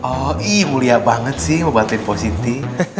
oh ih mulia banget sih mau bantuin positi